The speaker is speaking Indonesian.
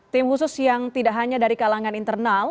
tim khusus yang tidak hanya dari kalangan internal